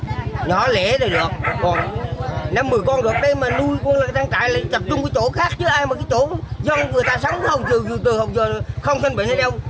nó lễ rồi được còn năm mươi con được đây mà nuôi con là trăn trải lại tập trung cái chỗ khác chứ ai mà cái chỗ dân người ta sống từ hồi giờ không sân bệnh hay đâu